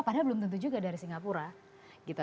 padahal belum tentu juga dari singapura gitu